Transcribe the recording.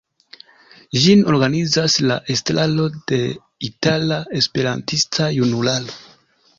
Ĝin organizas la estraro de Itala Esperantista Junularo.